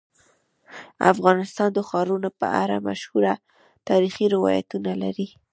افغانستان د ښارونه په اړه مشهور تاریخی روایتونه لري.